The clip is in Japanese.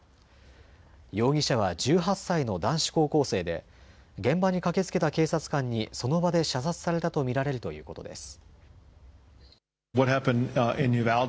容疑者は１８歳の男子高校生で現場に駆けつけた警察官にその場で射殺されたと見られるということです。